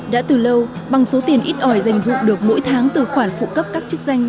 đã từ lâu bằng số tiền ít ỏi dành dụng được mỗi tháng từ khoản phụ cấp các chức danh